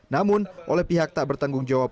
namun oleh pihak tak bertanggung jawab